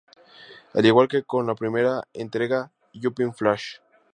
Al igual que con la primera entrega, Jumping Flash!